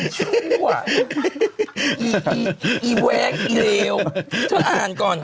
ครับผมไอ้แหวงไอ้ลี่วเธออ่านก่อน